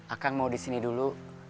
akang mau disini dulu